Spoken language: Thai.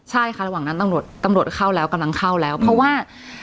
ใช่ค่ะระหว่างนั้นตำรวจเข้าแล้วกำลังเข้าแล้วเพราะว่า